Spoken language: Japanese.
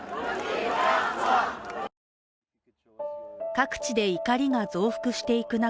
各地で怒りが増幅していく中